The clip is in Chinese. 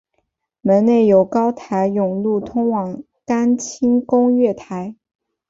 门内有高台甬路通往干清宫月台。